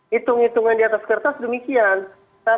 hitung hitungan di atas kertas demikian